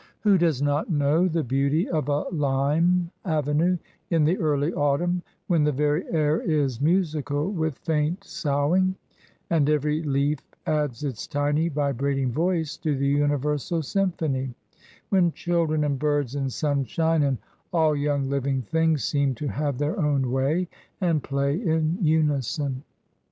Who does not know the beauty of a lime avenue in the early autumn, when the very air is musical with faint soughing, and every leaf adds its tiny, vibrating voice to the universal symphony when children and birds and sunshine, and all young living things, seem to have their own way, and play in unison.